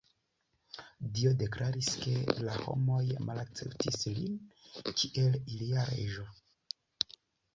Dio deklaris ke la homoj malakceptis lin kiel ilia reĝo.